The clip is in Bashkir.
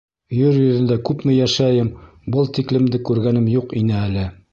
Ер йөҙөндә күпме йәшәйем, был тиклемде күргәнем юҡ ине әле!